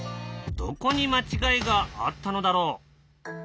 どこに間違いがあったのだろう？